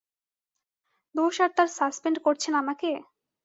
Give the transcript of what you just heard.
দোষ তার আর সাসপেন্ড করছেন আমাকে?